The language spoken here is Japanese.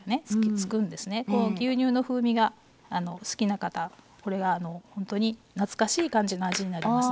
牛乳の風味が好きな方これがほんとに懐かしい感じの味になりますので。